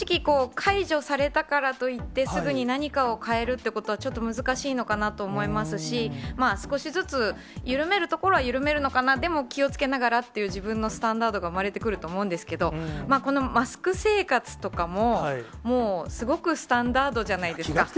こう、解除されたからといって、すぐに何かを変えるというのはちょっと難しいのかなと思いますし、少しずつ、緩めるところは緩めるのかな、でも、気をつけながらっていう、自分のスタンダードが生まれてくると思うんですけども、このマスク生活とかも、もう、すごくスタンダードじゃないですか。